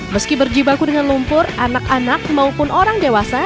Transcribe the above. meski berjibaku dengan lumpur anak anak maupun orang dewasa